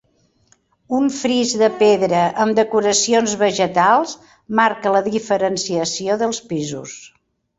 Un fris de pedra amb decoracions vegetals marca la diferenciació dels pisos.